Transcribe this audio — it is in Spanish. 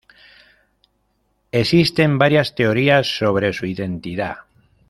Existen varias teorías sobre su identidad.